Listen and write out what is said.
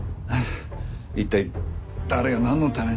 一体誰がなんのために？